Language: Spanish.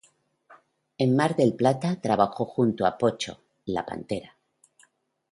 En Mar del Plata trabajó junto a Pocho La Pantera.